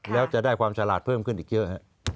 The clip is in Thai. แล้วจะได้ความฉลาดเพิ่มขึ้นอีกเยอะ